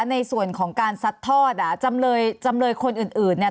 ในส่วนของการซัดทอดอ่ะจำเลยจำเลยคนอื่นอื่นเนี่ย